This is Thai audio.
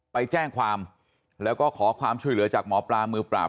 ไปแจ้งความแล้วก็ขอความช่วยเหลือจากหมอปลามือปราบ